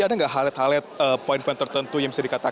ada nggak halet halet poin poin tertentu yang bisa dikatakan